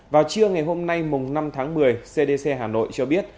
vào trưa ngày hôm nay năm tháng một mươi cdc hà nội cho biết